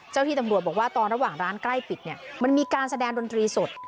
ที่ตำรวจบอกว่าตอนระหว่างร้านใกล้ปิดเนี่ยมันมีการแสดงดนตรีสด